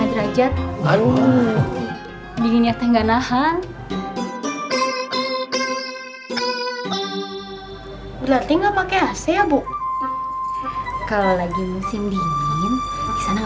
udah dateng oleh oleh nih